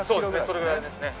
それぐらいですね。